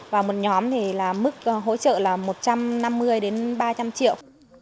và một nhóm mức hỗ trợ là một trăm năm mươi ba trăm linh triệu